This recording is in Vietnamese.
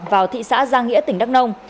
vào thị xã giang nghĩa tỉnh đắk nông